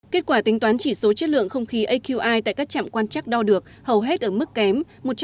kết quả tính toán chỉ số chất lượng không khí aqi tại các chạm quan chắc đo được hầu hết ở mức kém một trăm linh một hai trăm linh